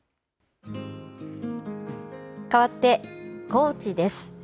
かわって高知です。